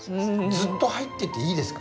ずっと入ってていいですか？